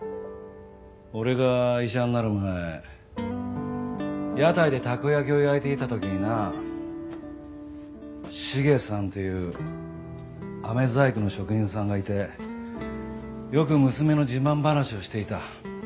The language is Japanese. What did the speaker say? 俺が医者になる前屋台でたこ焼きを焼いていた時にな茂さんというあめ細工の職人さんがいてよく娘の自慢話をしていた。